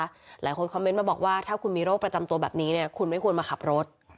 หลายคนคอมเมนต์มาบอกว่าถ้าคุณมีโรคประจำตัวแบบนี้เนี่ยคุณไม่ควรมาขับรถ